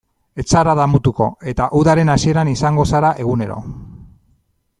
Ez zara damutuko, eta udaren hasieran izango zara egunero.